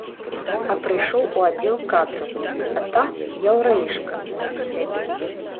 А прыйшоў у аддзел кадраў, а там яўрэішка нейкі сядзіць!